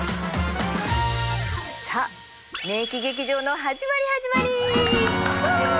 さあ免疫劇場の始まり始まり！